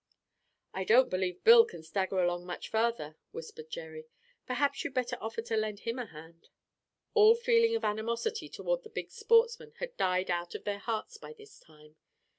"I don't believe Bill can stagger along much farther," whispered Jerry. "Perhaps you'd better offer to lend him a hand." All feeling of animosity toward the big sportsman had died out of their hearts by this time.